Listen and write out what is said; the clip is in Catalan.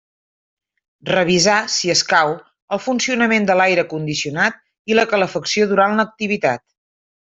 Revisar, si escau, el funcionament de l'aire condicionat i la calefacció durant l'activitat.